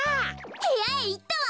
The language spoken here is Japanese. へやへいったわ。